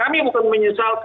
kami bukan menyesal